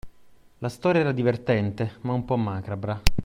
La storia era divertente, ma un po' macabra.